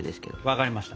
分かりました。